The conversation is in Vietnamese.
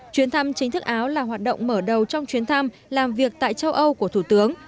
chuyến thăm chính thức áo là hoạt động mở đầu trong chuyến thăm làm việc tại châu âu của thủ tướng